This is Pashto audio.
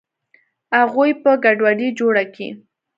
اغوئ به ګډوډي جوړه کي.